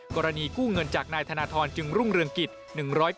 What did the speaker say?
กรณีกู้เงินจากนายธนทรจึงรุ่งเรืองกิจ